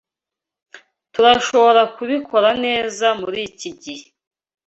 Turashobora kubikora neza muriki gihe.